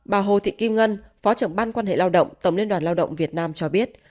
bà hồ thị kim ngân phó trưởng ban quan hệ lao động tổng liên đoàn lao động việt nam cho biết